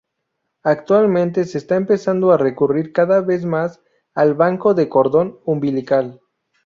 Actualmente, se está empezando a recurrir cada vez más al banco de cordón umbilical.